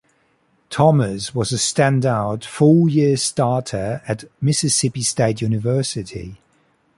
Thomas was a standout four-year starter at Mississippi State University.